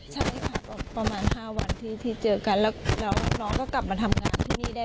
ใช่ค่ะประมาณ๕วันที่เจอกันแล้วน้องก็กลับมาทำงานที่นี่ได้